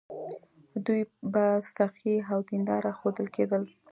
دوی به سخي او دینداره ښودل کېدل.